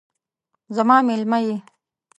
زما میلمه یې